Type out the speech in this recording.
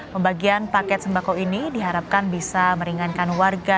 pembagian paket sembako ini diharapkan bisa meringankan warga